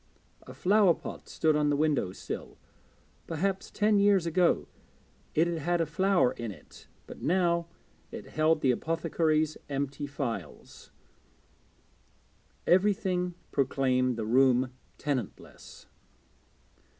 A flowerpot stood on the window sill; perhaps ten years ago it had had a flower in it, but now it held the apothecary's empty phials. Everything proclaimed the room tenantless.